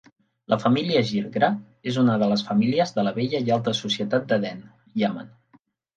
La família Girgrah és una de les famílies de la vella i alta societat d'Aden, Iemen.